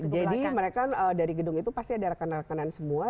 jadi mereka dari gedung itu pasti ada rekan rekanan semua